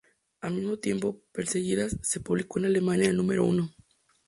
Al mismo tiempo, "Perseguidas" se publicó en Alemania en el número uno.